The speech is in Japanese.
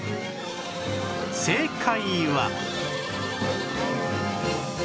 正解は